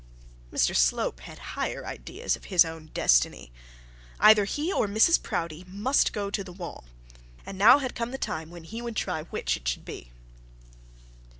Mr Slope had higher ideas of his own destiny. Either he or Mrs Proudie must go to the wall; and now had come the time when he would try which it would be.